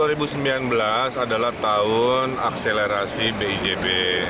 itu adalah tahun akselerasi bijb